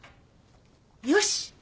よし。